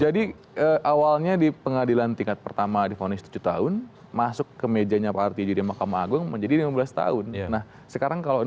jadi awalnya di pengadilan tingkat pertama di ponis tujuh tahun masuk ke mejanya pak artijo di mahkamah agung menjadi lima belas tahun